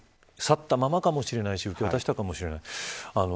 持ち去ったままかもしれないし受け渡したかもしれない。